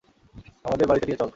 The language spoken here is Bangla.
আমাদের বাড়িতে নিয়ে চল।